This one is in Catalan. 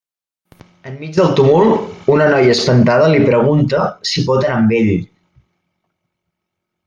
Enmig del tumult, una noia espantada li pregunta si pot anar amb ell.